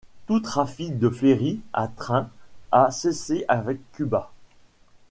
Tout trafic de ferry à train a cessé avec Cuba.